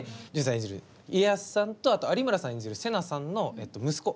演じる家康さんと有村さん演じる瀬名さんの息子。